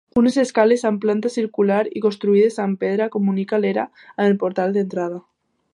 Unes escales, amb planta circular i construïdes amb pedra, comunica l'era amb el portal d'entrada.